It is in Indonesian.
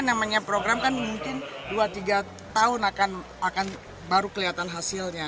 namanya program kan mungkin dua tiga tahun akan baru kelihatan hasilnya